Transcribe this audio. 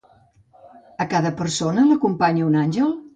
A cada persona l'acompanya un àngel?